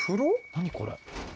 何これ？